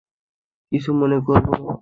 কিছু মনে করবানা তো।